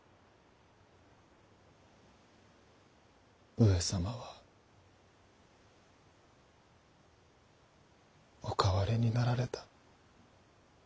上様はお変わりになられた。